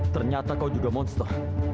ternyata kau juga monster